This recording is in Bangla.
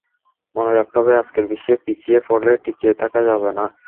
মনে রাখতে হবে, আজকের বিশ্বে পিছিয়ে পড়লে টিকে থাকা যাবে না।